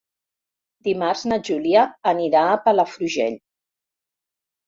Dimarts na Júlia anirà a Palafrugell.